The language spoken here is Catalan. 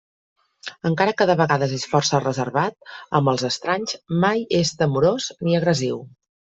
Encara que de vegades és força reservat amb els estranys, mai és temorós, ni agressiu.